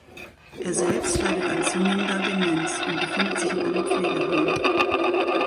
Er selbst leidet an zunehmender Demenz und befindet sich in einem Pflegeheim.